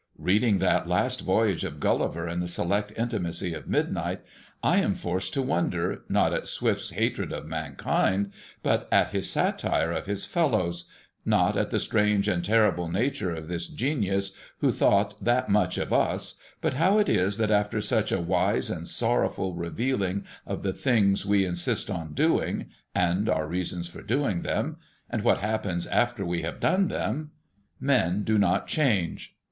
Reading that last voyage of Gulliver in the select intimacy of midnight I am forced to wonder, not at Swift's hatred of mankind, not at his satire of his fellows, not at the strange and terrible nature of this genius who thought that much of us, but how it is that after such a wise and sorrowful revealing of the things we insist on doing, and our reasons for doing them, and what happens after we have done them, men do not change.